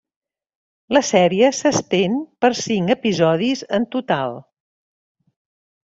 La sèrie s'estén per cinc episodis en total.